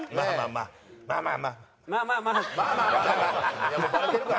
「まあまあまあ」